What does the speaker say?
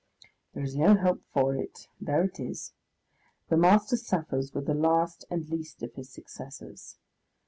There is no help for it, there it is! The Master suffers with the last and least of his successors.